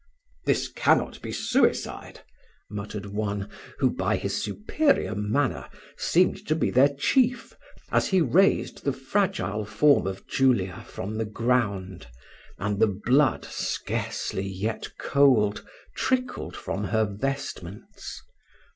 "This cannot be suicide," muttered one, who, by his superior manner, seemed to be their chief, as he raised the fragile form of Julia from the ground, and the blood, scarcely yet cold, trickled from her vestments.